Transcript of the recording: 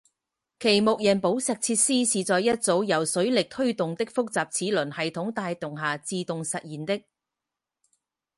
其木人宝石设施是在一组由水力推动的复杂的齿轮系统的带动下自动实现的。